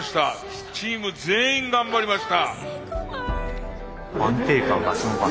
チーム全員頑張りました。